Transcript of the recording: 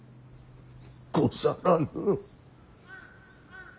ござらぬ。